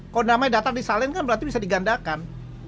kalau namanya data disalin kan berarti bisa digandakan